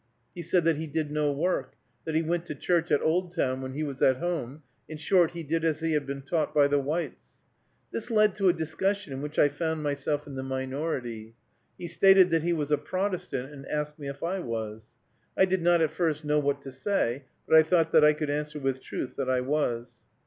He said that he did no work, that he went to church at Oldtown when he was at home; in short, he did as he had been taught by the whites. This led to a discussion in which I found myself in the minority. He stated that he was a Protestant, and asked me if I was. I did not at first know what to say, but I thought that I could answer with truth that I was.